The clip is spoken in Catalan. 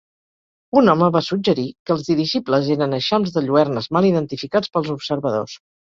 Un home va suggerir que els dirigibles eren eixams de lluernes mal identificats pels observadors.